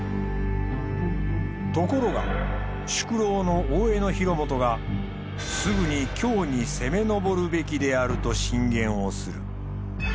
ところが宿老の大江広元がすぐに京に攻めのぼるべきであると進言をする。